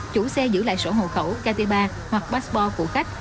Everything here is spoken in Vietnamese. chủ xe giữ lại sổ hồ khẩu kt ba hoặc passport của khách